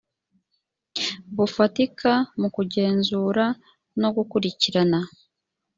bufatika mu kugenzura no gukurikirana